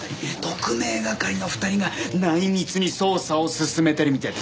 特命係の２人が内密に捜査を進めてるみたいです。